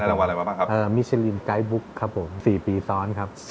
รางวัลอะไรมาบ้างครับมิชลินไกด์บุ๊กครับผม๔ปีซ้อนครับ